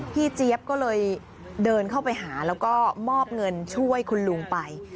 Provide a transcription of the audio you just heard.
เจี๊ยบก็เลยเดินเข้าไปหาแล้วก็มอบเงินช่วยคุณลุงไป